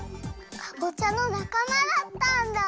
かぼちゃのなかまだったんだ！